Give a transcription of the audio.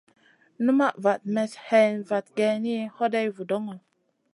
Numaʼ vat mestn hè vat geyni, hoday vudoŋo.